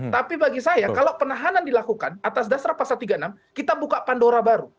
tapi bagi saya kalau penahanan dilakukan atas dasar pasal tiga puluh enam kita buka pandora baru